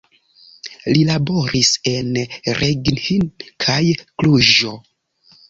Li laboris en Reghin kaj Kluĵo.